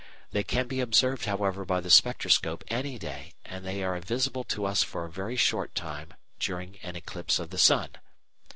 They can be observed, however, by the spectroscope any day, and they are visible to us for a very short time during an eclipse of the sun.